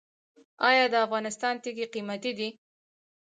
آیا د افغانستان تیږې قیمتي دي؟